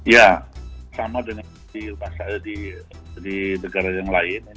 ya sama dengan di negara yang lain